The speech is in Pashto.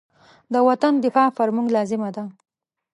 د وطن دفاع پر موږ لازمه ده.